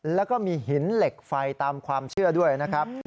แล้วก็มีหินเหล็กไฟตามความเชื่อด้วยนะครับ